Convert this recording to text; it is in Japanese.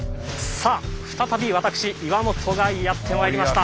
さあ再び私岩元がやってまいりました。